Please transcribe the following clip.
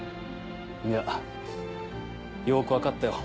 いやよく分かったよ